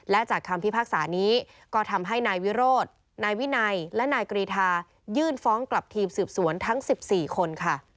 และจากคำพิพากษานี้ก็ทำให้นายวิโรธนายวินัยและนายกรีธายื่นฟ้องกลับทีมสืบสวนทั้ง๑๔คนค่ะ